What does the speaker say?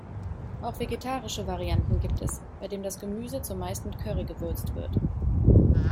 Auch vegetarische Varianten gibt es, bei dem das Gemüse zumeist mit Curry gewürzt wird.